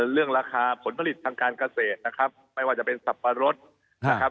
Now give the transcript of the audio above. เรื่องราคาผลผลิตทางการเกษตรนะครับไม่ว่าจะเป็นสับปะรดนะครับ